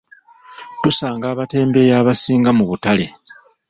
Tusanga abatembeeyi abasinga mu butale.